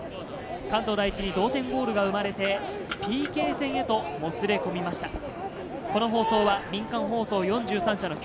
関東第一に同点ゴールが生まれてＰＫ戦へともつれ込みました。